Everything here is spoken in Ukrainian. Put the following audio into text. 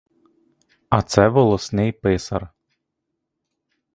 А це волосний писар.